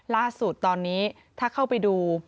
ล่าสุดตอนนี้ถ้าเข้าไปดู